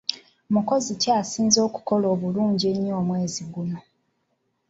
Mukozi ki asinze okukola obulungi omwezi guno?